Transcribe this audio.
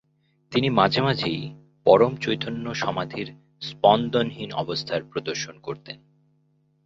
তিনি মাঝে মাঝেই পরম চৈতন্য সমাধির স্পন্দনহীন অবস্থার প্রদর্শন করতেন।